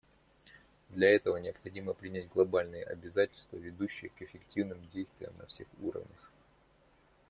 Для этого необходимо принять глобальные обязательства, ведущие к эффективным действиям на всех уровнях.